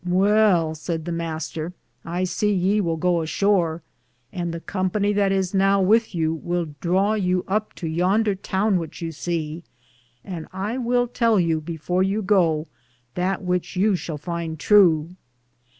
Well, sayd the Mr., I see ye will goo ashore, and the companye that is with yow will draw yow up to yonder towne which you se, and I will tell you before you goo that which yow shall finde true.